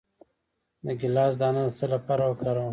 د ګیلاس دانه د څه لپاره وکاروم؟